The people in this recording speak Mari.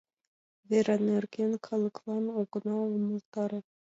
ВЕРА НЕРГЕН КАЛЫКЛАН ОГЫНА УМЫЛТАРЕ